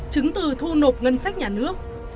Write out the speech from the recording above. chứng từ thu nộp ngân sách nhà nước